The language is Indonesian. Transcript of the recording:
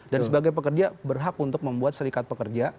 dan sebagai pekerja berhak untuk membuat serikat pekerja